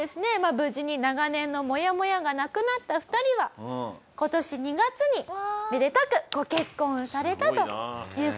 無事に長年のモヤモヤがなくなった２人は今年２月にめでたくご結婚されたという事なんですね。